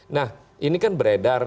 nah ini kan beredar